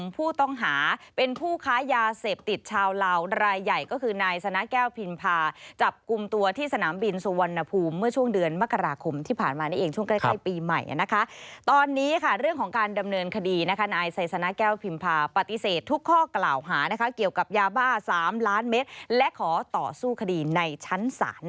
พูดถึงเรื่องของปฏิบัติการไทย